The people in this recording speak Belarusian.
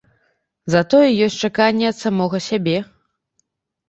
Затое ёсць чаканні ад самога сябе.